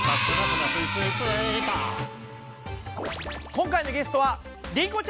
今回のゲストはりんごちゃんです！